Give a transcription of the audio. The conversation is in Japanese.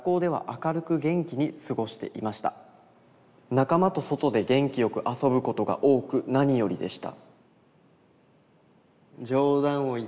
「仲間と外で元気よく遊ぶことが多く何よりでした」。